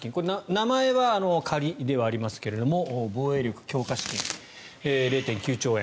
名前は仮ではありますが防衛力強化資金、０．９兆円